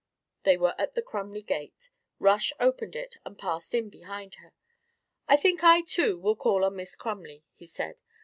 They were at the Crumley gate. Rush opened it and passed in behind her. "I think I too will call on Miss Crumley," he said.